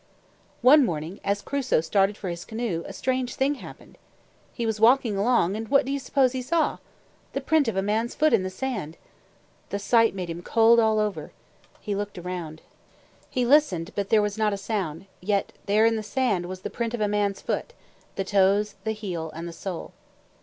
One morning, as Crusoe started for his canoe, a strange thing happened. He was walking along, and what do you suppose he saw? The print of a man's foot in the sand! The sight made him cold all over. He looked around. He listened, but there was not a sound, yet there in the sand was the print of a man's foot the toes, the heel, and the sole.